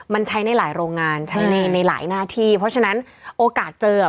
มันใช้ในหลายโรงงานใช้ในในหลายหน้าที่เพราะฉะนั้นโอกาสเจออ่ะ